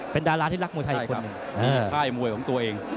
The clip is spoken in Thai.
เป็นดาราที่รักมวยไทยคนหนึ่งใช่ครับมีค่ายมวยของตัวเอง